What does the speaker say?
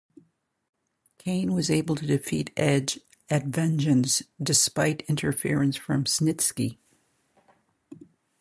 Kane was able to defeat Edge at Vengeance, despite interference from Snitsky.